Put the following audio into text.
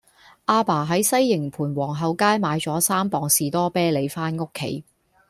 亞爸喺西營盤皇后街買左三磅士多啤梨返屋企